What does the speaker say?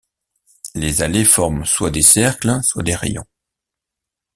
les allées forment soit des cercles soit des rayons.